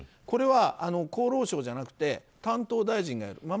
これは、厚労省じゃなくて担当大臣がやる。